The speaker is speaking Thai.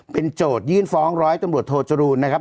เป็นโจรยื่นฟ้อง๑๐๐ตำรวจโทธโจรุณนะครับ